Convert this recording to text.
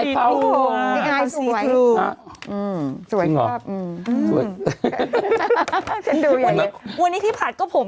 ฟื้นในหน่อยซิ